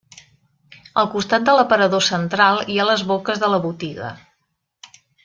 Al costat de l'aparador central hi ha les boques de la botiga.